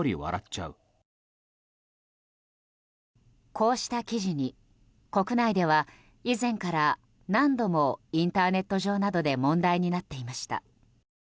こうした記事に国内では以前から何度もインターネット上などで問題になっていました。